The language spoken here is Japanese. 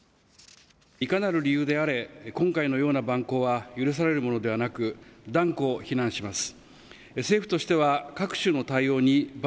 いかなる理由であれ今回のような蛮行は許されるようなものではなく断固、非難します。